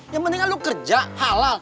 yang penting aku kerja halal